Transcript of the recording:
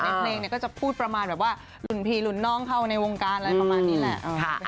เพลงก็จะพูดประมาณแบบว่าหลุนผีหลุนน้องเข้าในวงการอะไรประมาณนี้แหละ